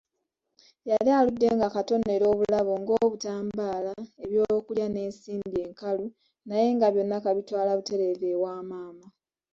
Yali aludde ng'akatonera obulabo ng'obutambaala, ebyokulya n'ensimbi enkalu naye nga byonna kabitwala butereevu ewa maama.